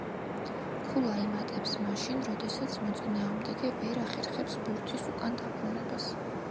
ქულა იმატებს მაშინ, როდესაც მოწინააღმდეგე ვერ ახერხებს ბურთის უკან დაბრუნებას.